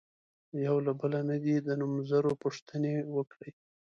یو له بله نه دې د نومځرو پوښتنې وکړي.